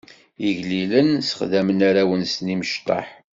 Igellilen ssexdamen arraw-nsen imecṭaḥ.